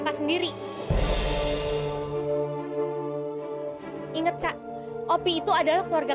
tapi lihat lihat dulu dong nyembur tau